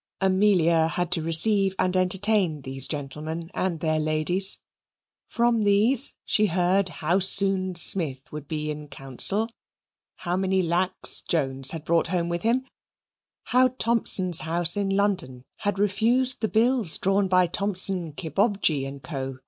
Amelia had to receive and entertain these gentlemen and their ladies. From these she heard how soon Smith would be in Council; how many lacs Jones had brought home with him, how Thomson's House in London had refused the bills drawn by Thomson, Kibobjee, and Co.